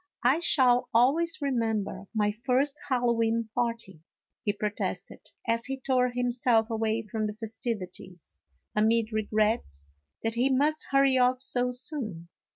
" I shall always remember my first Hallowe'en party," he protested, as he tore himself away from the festivities, amid regrets that he must hurry off so soon.